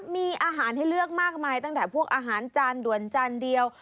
มีอาหารให้เลือกมากมายตั้งแต่พวกอาหารจานด่วนจานเดียว